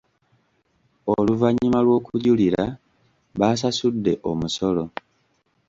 Oluvannyuma lw'okujulira baasasudde omusolo.